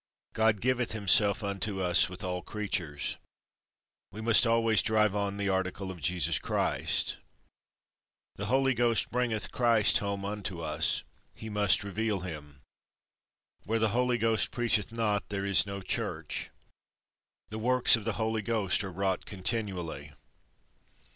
God giveth himself unto us with all creatures. We must always drive on the article of Jesus Christ. The Holy Ghost bringeth Christ home unto us; he must reveal him. Where the Holy Ghost preacheth not, there is no Church. The works of the Holy Ghost are wrought continually.